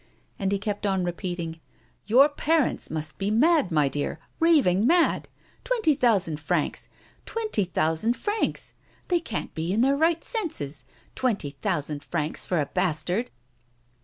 And he kept on re peating :" Your parents must be mad, my dear, raving mad ! Twenty thousand francs ! Twenty thousand francs ! They can't be in their right senses ! Twenty thousand francs for a bastard